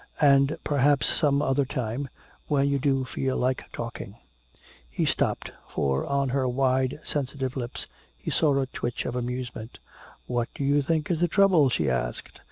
"And perhaps some other time when you do feel like talking " He stopped, for on her wide sensitive lips he saw a twitch of amusement. "What do you think is the trouble?" she asked.